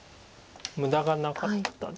無駄がなかったです。